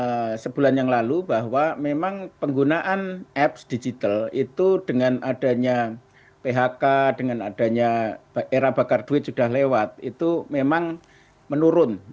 nah sebulan yang lalu bahwa memang penggunaan apps digital itu dengan adanya phk dengan adanya era bakar duit sudah lewat itu memang menurun